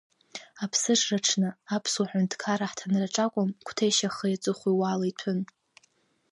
Аԥсыжра аҽны Аԥсуа Ҳәынҭқарра аҳҭынраҿы акәым, Қәҭешь ахи-аҵыхәеи уаала иҭәын.